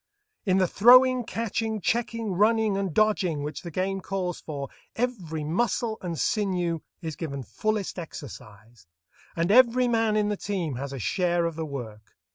In the throwing, catching, checking, running, and dodging which the game calls for, every muscle and sinew is given fullest exercise, and every man in the team has a share of the work.